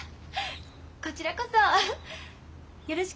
こちらこそよろしくね。